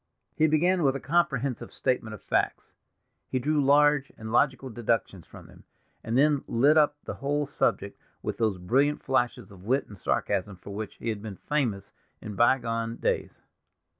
He began with a comprehensive statement of facts, he drew large and logical deductions from them, and then lit up the whole subject with those brilliant flashes of wit and sarcasm for which he had been famous in bygone days.